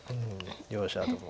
両者とも。